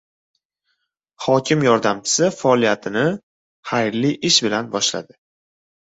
Hokim yordamchisi faoliyatini xayrli ish bilan boshladi